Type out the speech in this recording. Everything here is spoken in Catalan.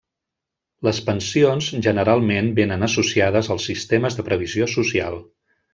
Les pensions generalment vénen associades als sistemes de previsió social.